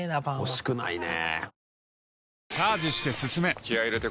ほしくないね。